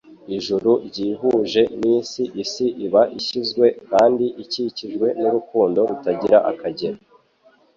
Ijuru ryihuje n'isi, isi iba ishyizwe kandi ikikijwe n'urukundo rutagira akagero.